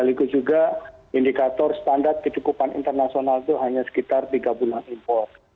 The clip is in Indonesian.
sekaligus juga indikator standar kecukupan internasional itu hanya sekitar tiga bulan impor